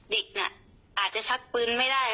เด็กน่ะอาจจะชักปืนไม่ได้